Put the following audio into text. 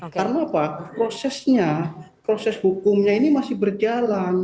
karena apa prosesnya proses hukumnya ini masih berjalan